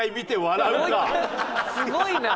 すごいな。